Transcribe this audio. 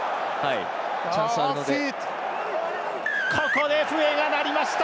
ここで笛が鳴りました。